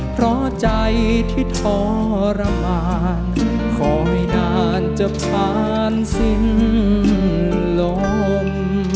เพราะใจที่ทรมานคอยนานจะผ่านสิ้นลม